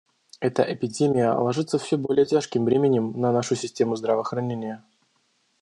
Эта эпидемия ложится всё более тяжким бременем на нашу систему здравоохранения.